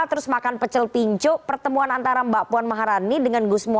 terus makan pecel pincu pertemuan antara mbak puan maharani dengan gus muhay